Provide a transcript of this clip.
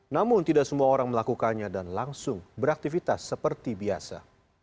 namun tidak semua orang melakukannya dan langsung beraktivitas seperti biasa